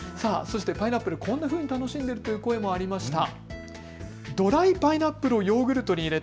パイナップル、こんなふうに楽しんでいるという声がありました。